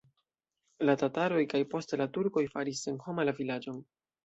La tataroj kaj poste la turkoj faris senhoma la vilaĝon.